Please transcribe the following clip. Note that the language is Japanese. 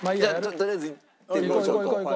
とりあえずいってみましょうか。